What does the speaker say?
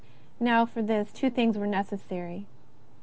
Now, for this two things were necessary.